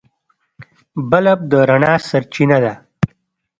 بلب د رڼا سرچینه ده.